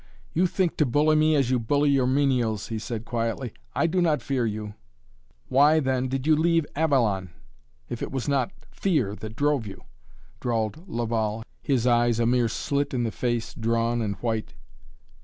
"You think to bully me as you bully your menials," he said quietly. "I do not fear you!" "Why, then, did you leave Avalon, if it was not fear that drove you?" drawled Laval, his eyes a mere slit in the face, drawn and white.